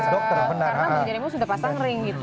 karena minumnya sudah pasang ring gitu